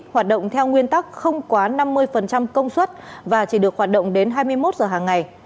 hoạt động theo nguyên tắc không quá năm mươi công suất và chỉ được hoạt động đến hai mươi một giờ hàng ngày